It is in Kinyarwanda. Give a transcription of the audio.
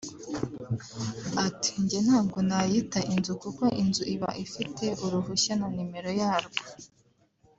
Ati “Njye ntabwo nayita inzu kuko inzu iba ifite uruhushya na numero yarwo